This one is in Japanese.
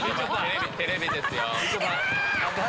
テレビですよ。